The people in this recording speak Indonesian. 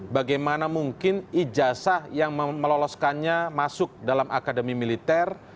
bagaimana mungkin ijazah yang meloloskannya masuk dalam akademi militer